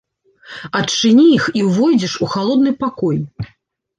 Адчыні іх і ўвойдзеш у халодны пакой.